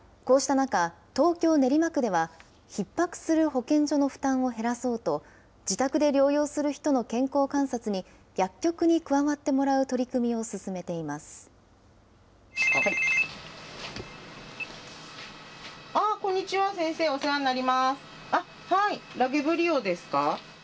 こうした中、東京・練馬区では、ひっ迫する保健所の負担を減らそうと、自宅で療養する人の健康観察に薬局に加わってもらう取り組みを進めています。